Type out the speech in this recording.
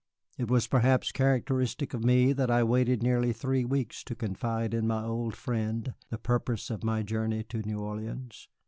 It was perhaps characteristic of me that I waited nearly three weeks to confide in my old friend the purpose of my journey to New Orleans.